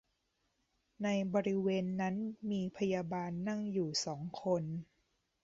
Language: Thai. ในบริเวณนั้นมีพยาบาลนั่งอยู่สองคน